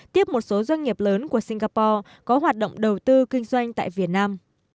tiếp một số doanh nghiệp lớn của singapore có hoạt động đầu tư kinh doanh tại việt nam